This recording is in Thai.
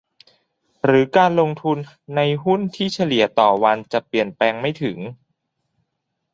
หรือการลงทุนในหุ้นที่เฉลี่ยต่อวันจะเปลี่ยนแปลงไม่ถึง